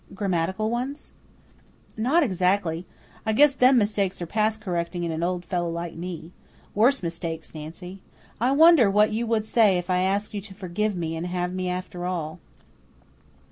"Grammatical ones?" "Not exactly. I guess them mistakes are past kerrecting in an old fellow like me. Worse mistakes, Nancy. I wonder what you would say if I asked you to forgive me, and have me after all."